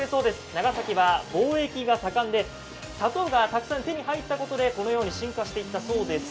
長崎は貿易が盛んで砂糖がたくさん手に入ったことでこのように進化していったそうです。